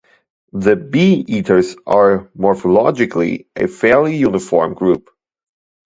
The bee-eaters are morphologically a fairly uniform group.